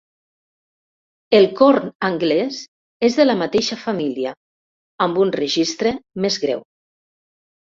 El corn anglès és de la mateixa família, amb un registre més greu.